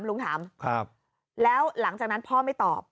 ลุงถามแล้วหลังจากนั้นพ่อไม่ตอบ